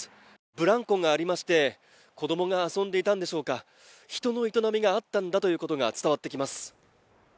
ブランコがありまして子どもが遊んでいたんでしょうか人の営みがあったんだということが伝わってきます